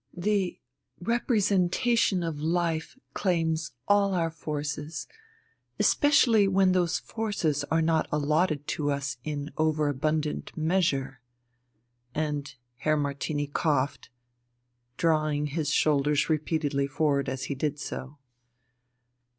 The representation of life claims all our forces, especially when those forces are not allotted to us in overabundant measure" and Herr Martini coughed, drawing his shoulders repeatedly forward as he did so.